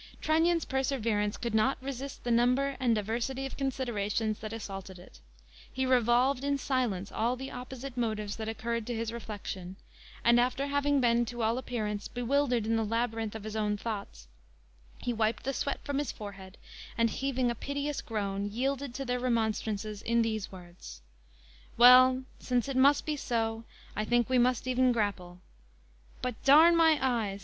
Trunnion's perseverance could not resist the number and diversity of considerations that assaulted it; he revolved in silence all the opposite motives that occurred to his reflection; and after having been, to all appearance, bewildered in the labyrinth of his own thoughts, he wiped the sweat from his forehead, and, heaving a piteous groan, yielded to their remonstrances in these words: "Well, since it must be so, I think we must ev'n grapple. But d my eyes!